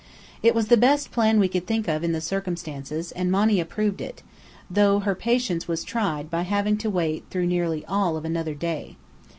It was the best plan we could think of in the circumstances, and Monny approved it, though her patience was tried by having to wait through nearly all of another day.